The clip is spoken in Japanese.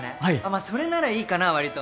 まあそれならいいかなわりと。